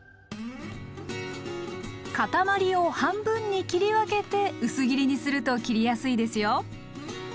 塊を半分に切り分けて薄切りにすると切りやすいですよ。